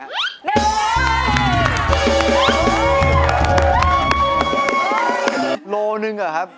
โลหนึ่งเหรอครับ